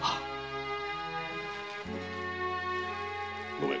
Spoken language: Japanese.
ごめん。